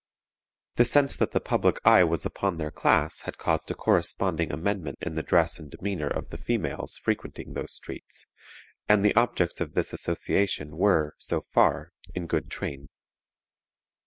The sense that the public eye was upon their class had caused a corresponding amendment in the dress and demeanor of the females frequenting those streets; and the objects of this association were, so far, in good train.